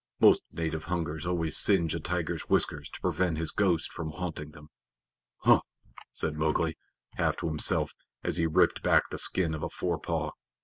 Most native hunters always singe a tiger's whiskers to prevent his ghost from haunting them. "Hum!" said Mowgli, half to himself as he ripped back the skin of a forepaw.